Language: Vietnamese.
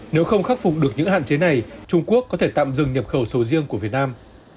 nếu không khắc phục được những hạn chế này trung quốc có thể tạm dừng nhập khẩu sầu riêng của việt nam